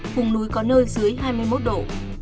vùng núi có nơi dưới hai mươi một độ